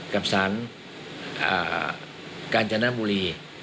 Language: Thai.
กับสารกาญจนบุรี